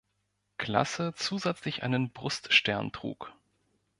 Klasse zusätzlich einen Bruststern trug.